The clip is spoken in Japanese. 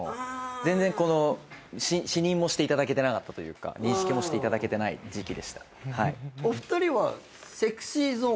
全然この視認もしていただけてなかったというか認識もしていただけてない時期でした。